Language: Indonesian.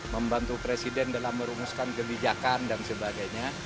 membantu presiden dalam merumuskan kebijakan dan sebagainya